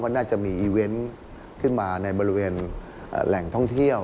น่าจะมีอีเวนต์ขึ้นมาในบริเวณแหล่งท่องเที่ยว